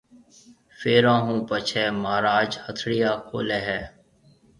ڦيرون ھون پڇيَ مھاراج ھٿيڙيا کوليَ ھيََََ